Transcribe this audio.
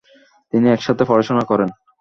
তিনি একসাথে পড়াশোনা করেন।